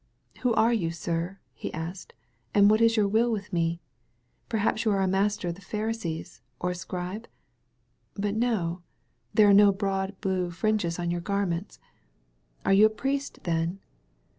"Who are you, sir," he asked, "and what is your will with me? Perhaps you are a master of the Pharisees or a scribe ? But no — ^there are no broad blue fringes on your garments. Are you a priest, then?"